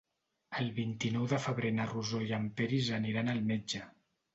El vint-i-nou de febrer na Rosó i en Peris aniran al metge.